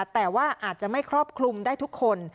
แต่ว่าอาจจะไม่ครอบคลุมได้ทุกคน